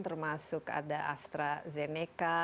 termasuk ada astrazeneca